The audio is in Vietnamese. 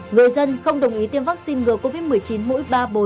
người dân không đồng ý tiêm vaccine ngừa covid một mươi chín mũi ba bốn